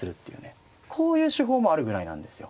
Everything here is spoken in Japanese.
こういう手法もあるぐらいなんですよ。